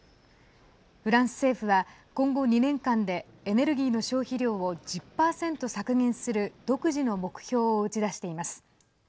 フランス政府は、今後２年間でエネルギーの消費量を１０％削減する独自の目標を打ち出しています。